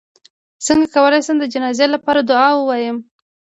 څنګه کولی شم د جنازې لپاره دعا ووایم